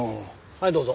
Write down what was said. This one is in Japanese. はいどうぞ。